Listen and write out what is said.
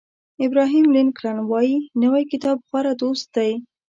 ابراهیم لینکلن وایي نوی کتاب غوره دوست دی.